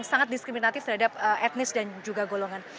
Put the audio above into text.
sangat diskriminatif terhadap etnis dan juga golongan